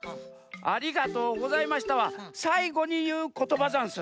「ありがとうございました」はさいごにいうことばざんす。